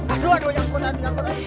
aduh aduh nyangkut tadi